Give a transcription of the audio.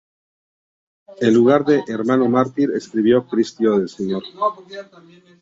En lugar de "hermano mártir" escribió "Cristo del Señor".